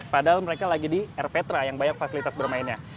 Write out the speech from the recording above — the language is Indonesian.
padahal mereka lagi di erpetra yang banyak fasilitas bermainnya